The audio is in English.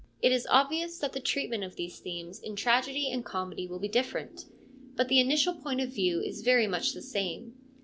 It is obvious that the treatment of these themes in tragedy and comedy will be different ; but the initial point of view is very much the same.